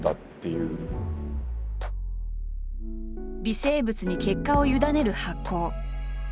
微生物に結果を委ねる発酵。